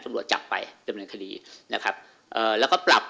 ตำรวจจับไปดำเนินคดีนะครับเอ่อแล้วก็ปรับ